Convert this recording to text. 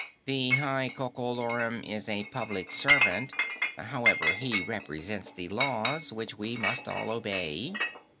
"The High Coco Lorum is a public servant. However, he represents the laws, which we must all obey."